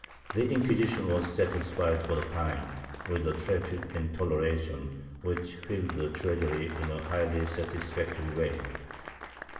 The Inquisition was satisfied for the time with a "traffic in toleration" which filled the treasury in a highly satisfactory way.